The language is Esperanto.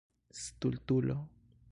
Stultulo.